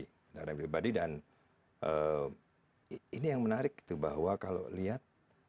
kendaraan pribadi dan ini yang menarik itu bahwa kalau lihat